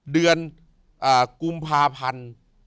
เดือนกุมภาพันธ์